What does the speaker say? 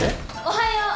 おはよう。